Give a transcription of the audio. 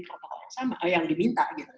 peraturan yang diminta